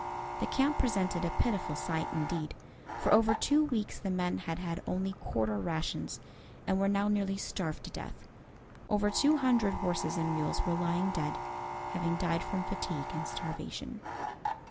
The camp presented a pitiful sight, indeed. For over two weeks the men had had only quarter rations, and were now nearly starved to death. Over two hundred horses and mules were lying dead, having died from fatigue and starvation.